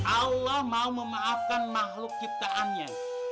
allah mau memaafkan makhluk ciptaannya